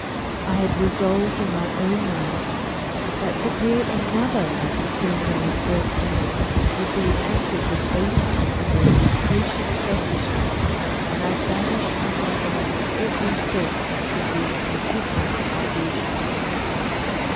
I had resolved in my own mind that to create another like the fiend I had first made would be an act of the basest and most atrocious selfishness, and I banished from my mind every thought that could lead to a different conclusion.